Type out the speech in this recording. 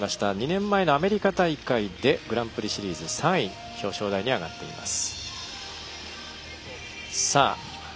２年前のアメリカ大会でグランプリシリーズ３位表彰台に上がっています。